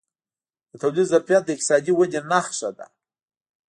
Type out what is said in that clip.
د تولید ظرفیت د اقتصادي ودې نښه ده.